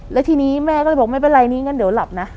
แล้วทีนี้แม่ก็เลยบอกไม่เป็นไรนี้งั้นเดี๋ยวหลับนะ